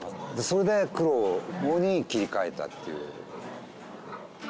それで黒に切り替えたっていう。